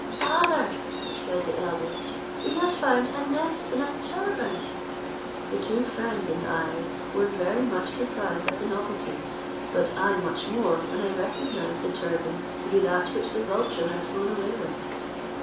"Father," said the eldest, "we have found a nest in a turban." The two friends and I were very much surprised at the novelty; but I much more, when I recognized the turban to be that which the vulture had flown away with.